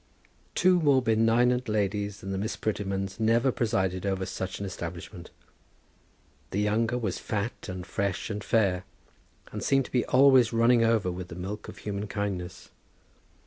Two more benignant ladies than the Miss Prettymans never presided over such an establishment. The younger was fat, and fresh, and fair, and seemed to be always running over with the milk of human kindness.